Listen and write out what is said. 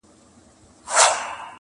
په نامه یې جوړېدلای معبدونه -